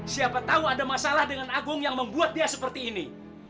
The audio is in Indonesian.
siapa tahu ada masalah dengan agung yang membuat dia seperti ini